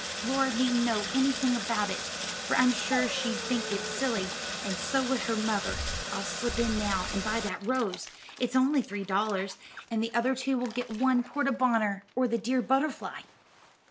Laura needn't know anything about it, for I'm sure she'd think it silly, and so would her mother. I'll slip in now and buy that rose; it's only three dollars, and the other two will get one porte bonheur, or the dear butterfly."